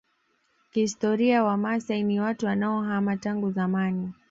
Kihistoria Wamaasai ni watu wanaohamahama tangu zamani